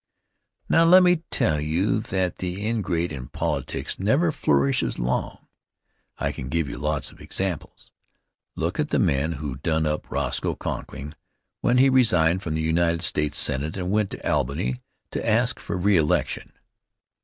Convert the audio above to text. Now let me tell you that the ingrate in politics never flourishes long. I can give you lots of examples. Look at the men who done up Roscoe Conkling when he resigned from the United States Senate and went to Albany to ask for re election!